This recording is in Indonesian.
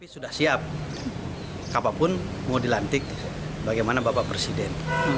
sudah siap kapanpun mau dilantik bagaimana bapak presiden